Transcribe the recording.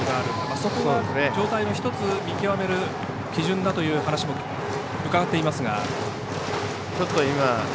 そこが状態の１つ見極める基準だという話も伺っていますが。